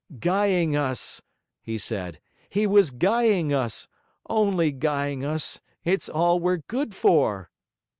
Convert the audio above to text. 'Guying us,' he said, 'he was guying us only guying us; it's all we're good for.'